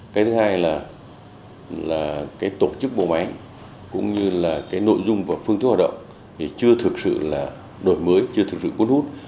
cái thứ hai là tổ chức bộ máy cũng như là cái nội dung và phương thức hoạt động thì chưa thực sự là đổi mới chưa thực sự cuốn hút